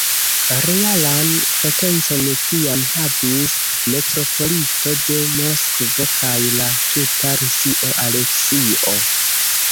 Realan potencon tiam havis metropolito de Moskvo kaj la tuta Rusio "Aleksio".